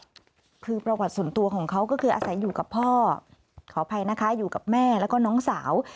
คือประวัติส่วนตัวของเขาก็คืออาศัยอยู่กับพ่อขออภัยนะคะอยู่กับแม่แล้วก็น้องสาว